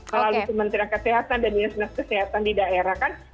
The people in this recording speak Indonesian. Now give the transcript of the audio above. melalui kementerian kesehatan dan dinas dinas kesehatan di daerah kan